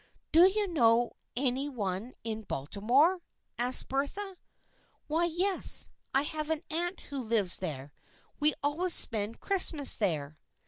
" Do you know any one in Baltimore?" asked Bertha. " Why, yes. I have an aunt who lives there. We always spend Christmas there."